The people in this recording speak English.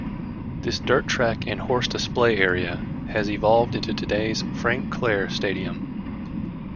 This dirt track and horse display area has evolved into today's Frank Clair Stadium.